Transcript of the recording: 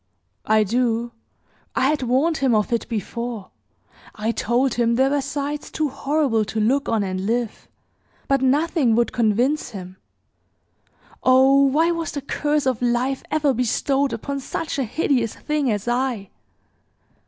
"I do. I had warned him of it before. I told him there were sights too horrible to look on and live, but nothing would convince him! Oh, why was the curse of life ever bestowed upon such a hideous thing as I!"